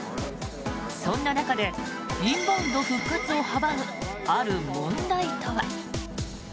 そんな中でインバウンド復活を阻むある問題とは。